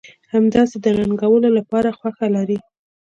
همداسې د ننګولو لپاره خوښه لرئ.